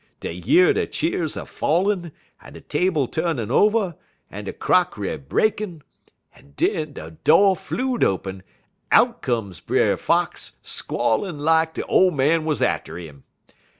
Dey year de cheers a fallin', en de table turnin' over, en de crock'ry breakin', en den de do' flew'd open, en out come Brer Fox, a squallin' lak de Ole Boy wuz atter 'im.